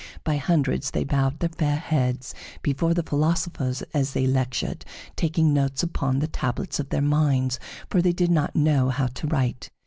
By hundreds they bowed their fair heads before the philosophers as they lectured, taking notes upon the tablets of their minds, for they did not know how to write.